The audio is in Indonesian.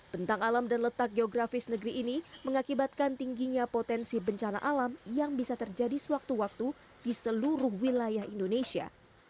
bentang alam dan letak geografis negeri ini mengakibatkan tingginya potensi bencana alam yang bisa terjadi sewaktu waktu di seluruh wilayah indonesia